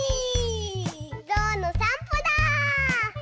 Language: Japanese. ぞうのさんぽだ！